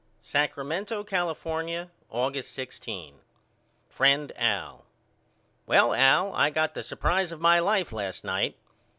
Sacramento, California, August 16. FRIEND AL: Well Al I got the supprise of my life last night.